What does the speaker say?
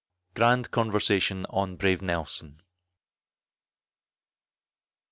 GRAND CONVERSATION ON BRAVE NELSON.